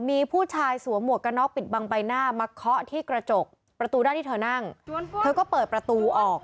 มีผู้ชายสวมหมวกกระน็อกปิดบังใบหน้ามาเคาะที่กระจกประตูด้านที่เธอนั่งเธอก็เปิดประตูออก